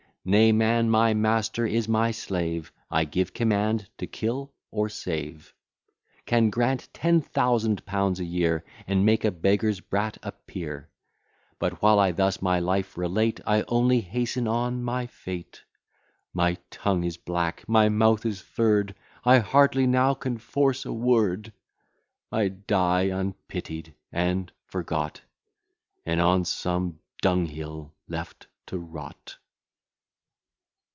Nay; man my master is my slave; I give command to kill or save, Can grant ten thousand pounds a year, And make a beggar's brat a peer. But, while I thus my life relate, I only hasten on my fate. My tongue is black, my mouth is furr'd, I hardly now can force a word. I die unpitied and forgot, And on some dunghill left to rot.